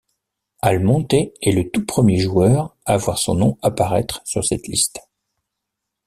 Almonte est le tout premier joueur à voir son nom apparaître sur cette liste.